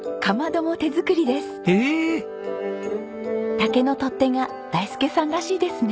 竹の取っ手が大介さんらしいですね。